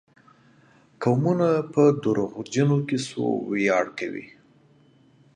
قومونه په دروغجنو کيسو وياړ کوي.